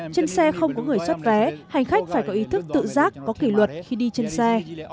trên xe không có người xuất vé hành khách phải có ý thức tự giác có kỷ luật khi đi trên xe